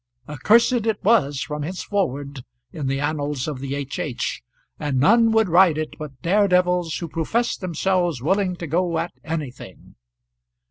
Accursed it was from henceforward in the annals of the H. H., and none would ride it but dare devils who professed themselves willing to go at anything.